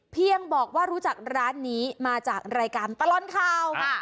บอกว่ารู้จักร้านนี้มาจากรายการตลอดข่าวค่ะ